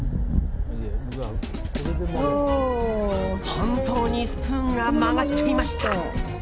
本当にスプーンが曲がっちゃいました。